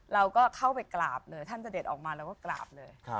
เราก็เข้าไปกราบเลยท่านเสด็จออกมาเราก็กราบเลย